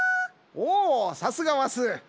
おおさすがはスー。